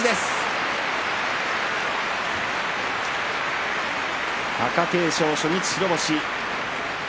拍手貴景勝、初日白星。